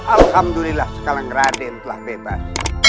alhamdulillah sekarang raden telah bebas